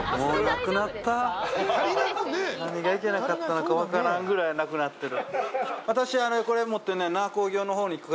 何がいけなかったのか分からんぐらいなくなってる。